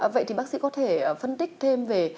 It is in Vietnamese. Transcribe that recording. vậy thì bác sĩ có thể phân tích thêm về